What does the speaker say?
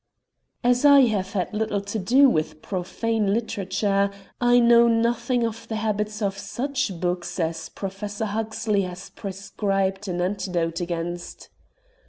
As I have had little to do with profane literature, I know nothing of the habits of such books as Professor Huxley has prescribed an antidote against.